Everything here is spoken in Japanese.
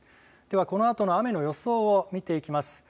では、このあとの雨の予想を見ていきます。